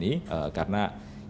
kita sebagai negara kepulauan